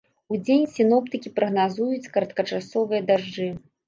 Удзень сіноптыкі прагназуюць кароткачасовыя дажджы.